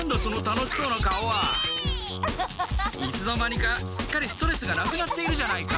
いつの間にかすっかりストレスがなくなっているじゃないか。